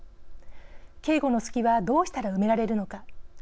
警護の「隙」はどうしたら埋められるのか。